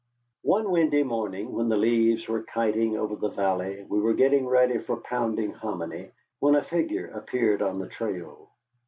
One windy morning when the leaves were kiting over the valley we were getting ready for pounding hominy, when a figure appeared on the trail.